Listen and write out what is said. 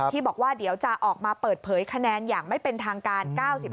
บอกว่าเดี๋ยวจะออกมาเปิดเผยคะแนนอย่างไม่เป็นทางการ๙๕